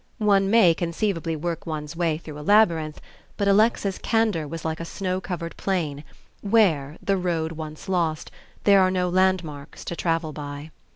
One may conceivably work one's way through a labyrinth; but Alexa's candor was like a snow covered plain where, the road once lost, there are no landmarks to travel by.